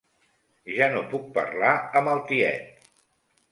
Ja no puc parlar amb el tiet.